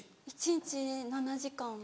一日７時間。